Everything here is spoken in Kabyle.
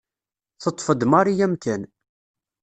Teṭṭef-d Mari amkan.